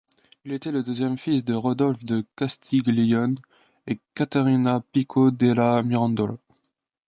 Il était le deuxième fils de Rodolphe de Castiglione et Caterina Pico della Mirandola.